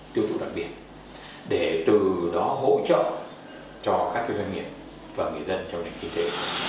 tiêu thụ đặc biệt để từ đó hỗ trợ cho các doanh nghiệp và người dân trong nền kinh tế